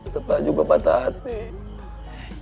betul juga pak tati